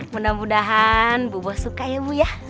mudah mudahan bu bo suka ya bu ya